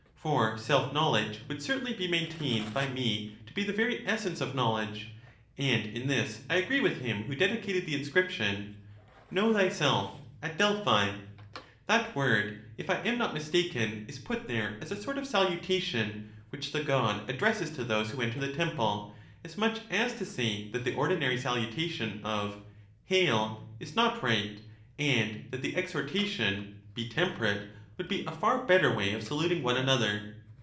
For self knowledge would certainly be maintained by me to be the very essence of knowledge, and in this I agree with him who dedicated the inscription, " Know thyself! " at Delphi. That word, if I am not mis taken, is put there as a sort of salutation which the god addresses to those who enter the temple; as much as to say that the ordinary salutation of " Hail! " is not right, and that the exhortation '"Be temperate! " would be a far better way of saluting one another.